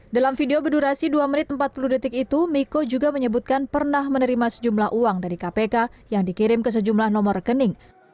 dalam video berdurasi dua menit empat puluh detik itu miko juga menyebutkan pernah menerima sejumlah uang dari kpk yang dikirim ke sejumlah nomor rekening